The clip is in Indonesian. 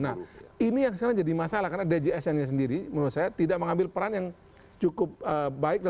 nah ini yang sekarang jadi masalah karena djsn nya sendiri menurut saya tidak mengambil peran yang cukup baik